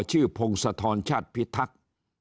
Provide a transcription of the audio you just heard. พงศธรชาติพิทักษ์